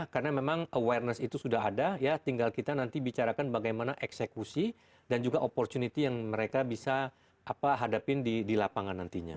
karena memang awareness itu sudah ada ya tinggal kita nanti bicarakan bagaimana eksekusi dan juga opportunity yang mereka bisa hadapin di lapangan nantinya